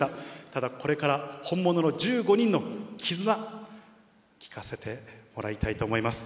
ただ、これから本物の１５人の絆、聴かせてもらいたいと思います。